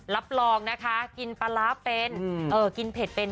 รับรองนะคะกินปลาร้าเป็นกินเผ็ดเป็น